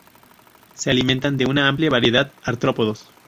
Se alimentan de una amplia variedad artrópodos.